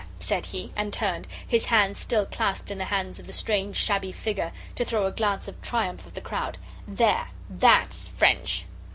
said he, and turned, his hands still clasped in the hands of the strange shabby figure, to throw a glance of triumph at the crowd; "there; THAT'S French."